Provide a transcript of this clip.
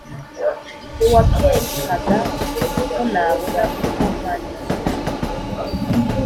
ntiwakekaga ko nabona uko nkwandikira